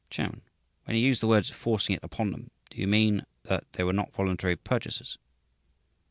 Chairman. "When you use the words 'forcing it upon them,' do you mean that they were not voluntary purchasers?"